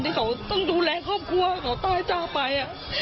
ที่เขาต้องดูแลครอบครัวเขาตายเจ้าไป